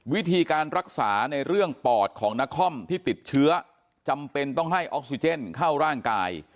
วิธีการรักษาในเรื่องปอดของนครที่ติดเชื้อจำเป็นต้องให้ออกซิเจนเข้าร่างกาย